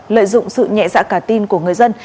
lợi dụng sự nhẹ dạ cả tin của người dân